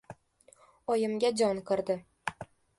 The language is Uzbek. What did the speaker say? Oyimga jon kirdi.